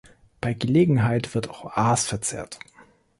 Bei Gelegenheit wird auch Aas verzehrt.